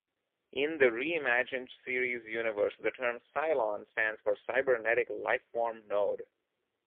In the reimagined series universe, the term Cylon stands for Cybernetic Lifeform Node.